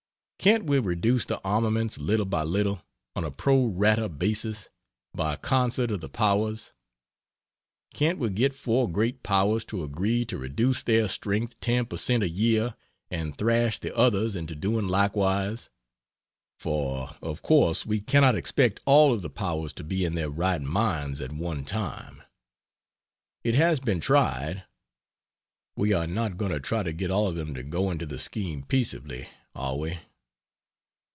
Can't we reduce the armaments little by little on a pro rata basis by concert of the powers? Can't we get four great powers to agree to reduce their strength 10 per cent a year and thrash the others into doing likewise? For, of course, we cannot expect all of the powers to be in their right minds at one time. It has been tried. We are not going to try to get all of them to go into the scheme peaceably, are we?